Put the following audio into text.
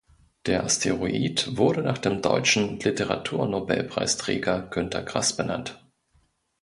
Der Asteroid wurde nach dem deutschen Literaturnobelpreisträger Günter Grass benannt.